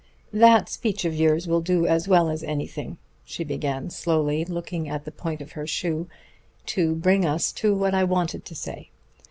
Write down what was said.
"That speech of yours will do as well as anything," she began slowly, looking at the point of her shoe, "to bring us to what I wanted to say.